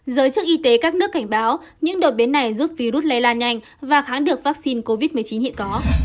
giới chức y tế các nước cảnh báo những đột biến này giúp virus lây lan nhanh và kháng được vaccine covid một mươi chín hiện có